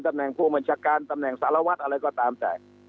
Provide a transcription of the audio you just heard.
แหน่งผู้บัญชาการตำแหน่งสารวัตรอะไรก็ตามแต่